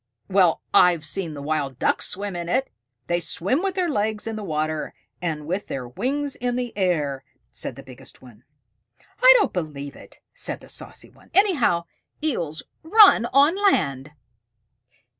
"Well, I've seen the Wild Ducks swim in it! They swim with their legs in the water, and with their wings in the air," said the biggest one. "I don't believe it," said the saucy one. "Anyhow, Eels run on land."